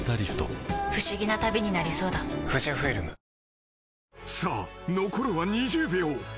本麒麟［さあ残るは２０秒］